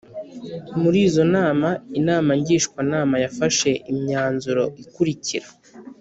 Muri izo nama Inama Ngishwanama yafashe imyanzuro ikurikira